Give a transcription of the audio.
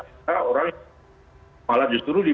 ada orang yang malah justru